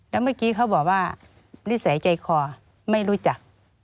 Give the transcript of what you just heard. แล้วเมื่อกี้เขาบอกว่านิสัยใจคอไม่รู้จัก